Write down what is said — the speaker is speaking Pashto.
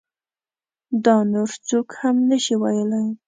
دا نور څوک هم نشي ویلی.